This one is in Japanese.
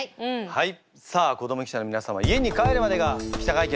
はい。